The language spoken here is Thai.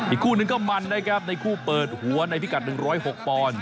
คู่นึงก็มันนะครับในคู่เปิดหัวในพิกัด๑๐๖ปอนด์